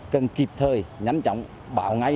cần kịp thời nhanh chóng bảo ngay